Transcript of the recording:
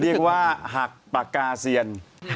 เรียกว่าหักสียร